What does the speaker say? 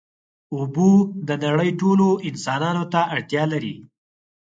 اوبه د نړۍ ټولو انسانانو ته اړتیا دي.